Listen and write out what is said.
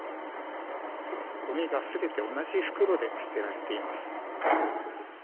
ごみが全て同じ袋で捨てられています。